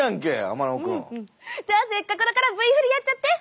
天野君。じゃあせっかくだからＶふりやっちゃって！